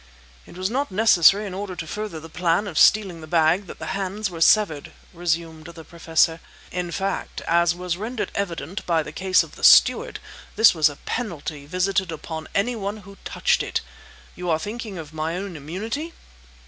"It was not necessary in order to further the plan of stealing the bag that the hands were severed," resumed the Professor. "In fact, as was rendered evident by the case of the steward, this was a penalty visited upon any one who touched it! You are thinking of my own immunity?"